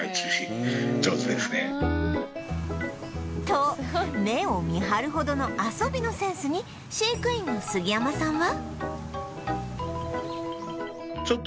と目を見張るほどの遊びのセンスに飼育員の杉山さんは